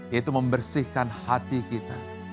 yaitu membersihkan hati kita